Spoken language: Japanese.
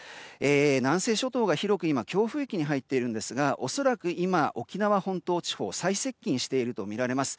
南西諸島が広く強風域に入っているんですが恐らく今、沖縄本島地方に最接近しているとみられます。